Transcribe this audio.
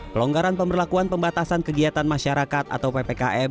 pelonggaran pemberlakuan pembatasan kegiatan masyarakat atau ppkm